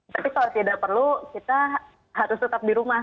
tapi kalau tidak perlu kita harus tetap di rumah